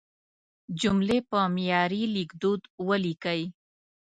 جملې په معیاري لیکدود ولیکئ.